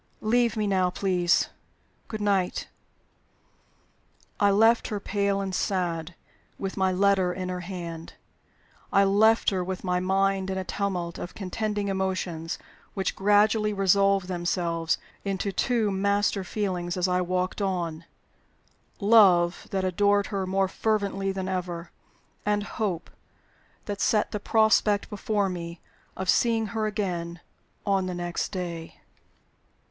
Leave me now, please. Good night." I left her, pale and sad, with my letter in her hand. I left her, with my mind in a tumult of contending emotions, which gradually resolved themselves into two master feelings as I walked on: Love, that adored her more fervently than ever; and Hope, that set the prospect before me of seeing her again on the next day.